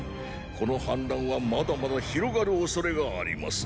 この反乱はまだまだ広がる恐れがあります。